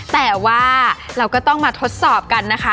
แต่ว่าเราก็ต้องมาทดสอบกันนะคะ